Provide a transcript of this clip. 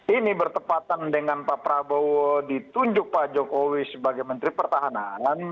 ini bertepatan dengan pak prabowo ditunjuk pak jokowi sebagai menteri pertahanan